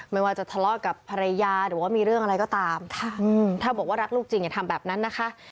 ไม่ว่าจะทะเลาะกับภรรยาหรือว่ามีเรื่องอะไรก็ตามถ้าบอกว่ารักลูกจริงอย่าทำแบบนั้นนะคะ